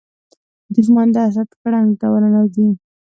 دښمن د حسد ګړنګ ته ورننوځي